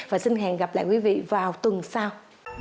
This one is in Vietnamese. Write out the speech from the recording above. và xin hẹn gặp lại quý vị vào tuần sau